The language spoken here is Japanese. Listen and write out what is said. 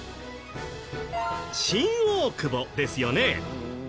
新大久保ですよね。